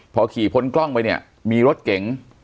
พอขี่พ้นกล้องไปเนี่ยมีรถเก๋ง